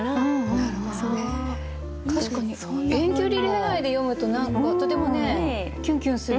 確かに遠距離恋愛で読むと何かとてもキュンキュンする。